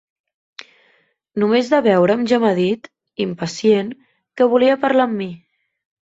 Només de veure'm ja m'ha dit, impacient, que volia parlar amb mi.